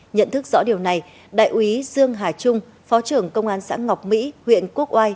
nhận thức rõ điều này đại úy dương hà trung phó trưởng công an xã ngọc mỹ huyện quốc oai